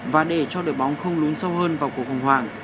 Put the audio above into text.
và để cho đội bóng không lún sâu hơn vào cuộc khủng hoảng